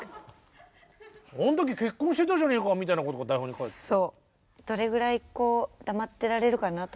「あん時結婚してたじゃねえか」みたいなことが台本に書いてある。